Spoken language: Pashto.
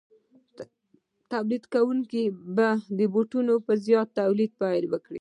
تولیدونکي به د بوټانو په زیات تولید پیل وکړي